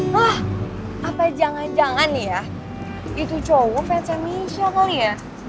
wah apa jangan jangan ya itu cowok fansnya michelle ya